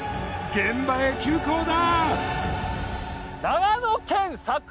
現場へ急行だ。